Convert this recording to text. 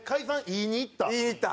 言いに行った。